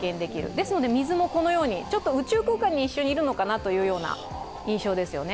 でずきで水もこのようにちょっと宇宙空間に一瞬いるのかなという印象ですよね。